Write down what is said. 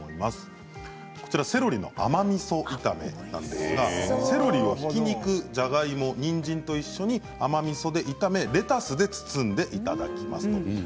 セロリの甘みそ炒めなんですがセロリをひき肉、じゃがいもにんじんと一緒に甘みそで炒めレタスで包んでいただきます。